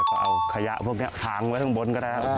ก็เอาขยะพวกนี้ค้างไว้ข้างบนก็ได้